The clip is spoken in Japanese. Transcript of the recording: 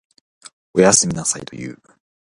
おやすみなさいと言う。